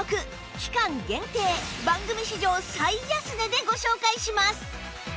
期間限定番組史上最安値でご紹介します